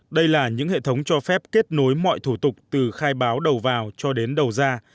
đây là những hệ thống cho phép kết nối mọi thủ tục từ khai báo đầu vào cho đến đầu ra